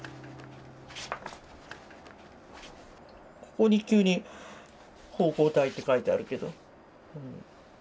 ここに急に「奉公隊」って書いてあるけど。